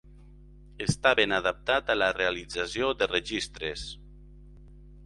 Està ben adaptat a la realització de registres.